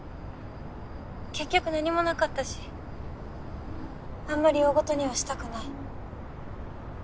結局何もなかったしあんまり大事にはしたくない。